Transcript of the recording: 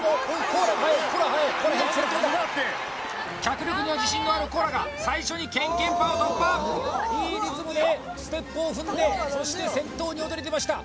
コアラ先頭だ脚力には自信のあるコアラが最初にけんけんぱを突破いいリズムでステップを踏んでそして先頭に躍り出ました